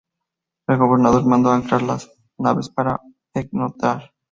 El gobernador mandó anclar las naves para pernoctar.